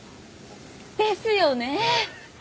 ですよねえ！